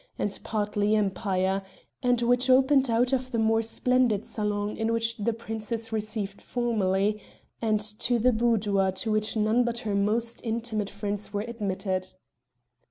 and partly Empire, and which opened out of the more splendid salon in which the princess received formally, and the boudoir to which none but her most intimate friends were admitted.